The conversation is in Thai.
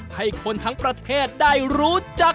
ให้คนทั้งประเทศได้รู้จัก